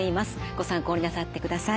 ご参考になさってください。